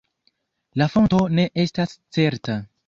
La fonto ne estas certa.